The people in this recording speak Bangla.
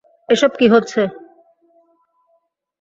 এসব কি হচ্ছে?